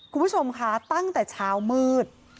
คุณผู้ชมคะตั้งแต่เช้ามืด